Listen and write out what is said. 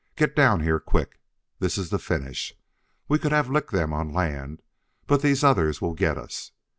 "Get down here, quick! This is the finish. We could have licked them on land, but these others will get us."